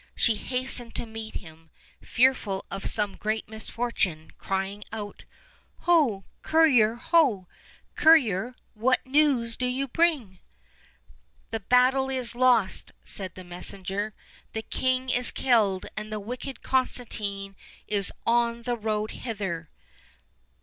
She hastened to meet him, fearful of some great misfortune, crying out: "Ho! courier, ho! courier, what news do you bring?" "The battle is lost," said the messenger, "the king is killed., and the wicked Constantino is on the road hither."